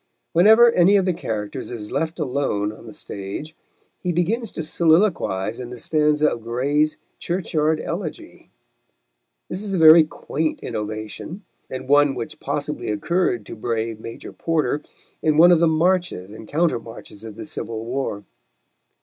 Whenever any of the characters is left alone on the stage, he begins to soliloquise in the stanza of Gray's Churchyard Elegy. This is a very quaint innovation, and one which possibly occurred to brave Major Porter in one of the marches and counter marches of the Civil War.